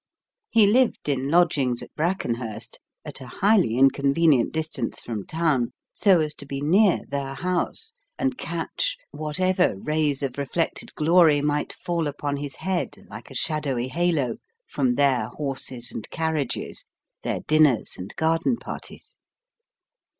He lived in lodgings at Brackenhurst, at a highly inconvenient distance from town, so as to be near their house, and catch whatever rays of reflected glory might fall upon his head like a shadowy halo from their horses and carriages, their dinners and garden parties.